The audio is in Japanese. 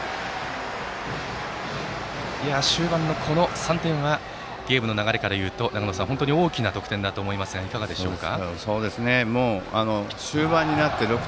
終盤の３点はゲームの流れからいうと長野さん、大きな得点だと思いますが、いかがですか。